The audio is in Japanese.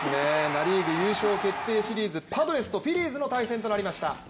ナ・リーグ優勝決定シリーズパドレスとフィリーズの対戦となりました。